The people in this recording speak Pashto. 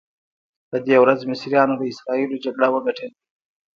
په دې ورځ مصریانو له اسراییلو جګړه وګټله.